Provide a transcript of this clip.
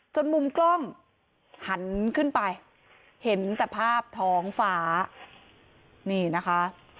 มุมกล้องหันขึ้นไปเห็นแต่ภาพท้องฟ้านี่นะคะ